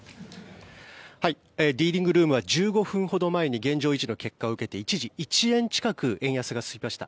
ディーリングルームは１５分ほど前に現状維持の結果を受けて一時、１円近く円安が進みました。